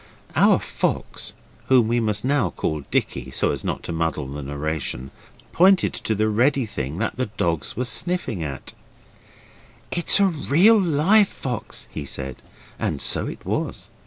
Our fox whom we must now call Dicky, so as not to muddle the narration pointed to the reddy thing that the dogs were sniffing at. 'It's a real live fox,' he said. And so it was.